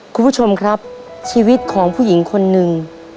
คุณผู้ชมครับชีวิตของผู้หญิงคนหนึ่ง